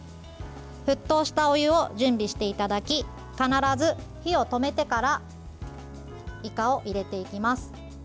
沸騰したお湯を準備していただき必ず火を止めてからいかを入れていきます。